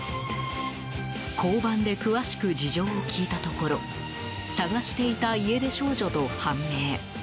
交番で詳しく事情を聴いたところ捜していた家出少女と判明。